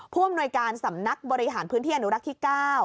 ผู้อำนวยการสำนักบริหารพื้นที่อนุรักษ์ที่๙